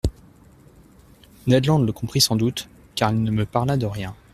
Ned Land le comprit sans doute, car il ne me parla de rien.